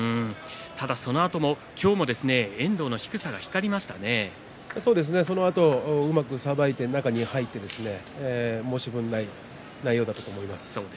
ただそのあと、今日もそのあとうまくさばいて中に入って申し分ない内容だったと思います。